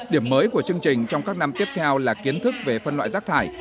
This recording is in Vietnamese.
điểm mới của chương trình trong các năm tiếp theo là kiến thức về phân loại rác thải